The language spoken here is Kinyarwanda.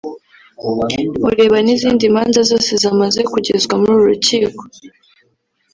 ureba n’izindi manza zose zamaze kugezwa muri uru rukiko